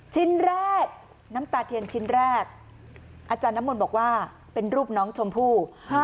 ชิ้นแรกน้ำตาเทียนชิ้นแรกอาจารย์น้ำมนต์บอกว่าเป็นรูปน้องชมพู่